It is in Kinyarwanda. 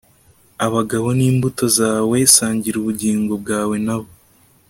Abagabo ni imbuto zawe sangira ubugingo bwawe nabo